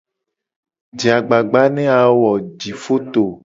Je agbagba ne a wo jifoto.